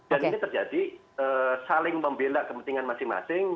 dan ini terjadi saling membela kepentingan masing masing